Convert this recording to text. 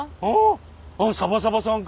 あっサバサバさんか。